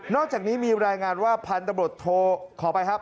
อกจากนี้มีรายงานว่าพันธบรวจโทขอไปครับ